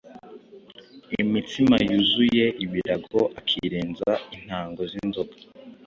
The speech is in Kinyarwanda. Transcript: imitsima yuzuye ibirago, akirenza intango z’inzoga